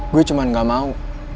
gue cuma gak mau